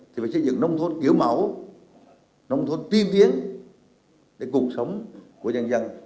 thì phải xây dựng nông thôn kiểu mẫu nông thôn tiên biến để cuộc sống của dân dân